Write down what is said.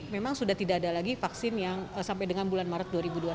memang sudah tidak ada lagi vaksin yang sampai dengan bulan maret dua ribu dua puluh satu